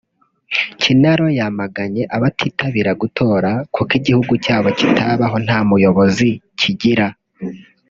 Kinaro yamaganye abatitabira gutora kuko igihugu cyabo kitabaho nta muyobozi kigira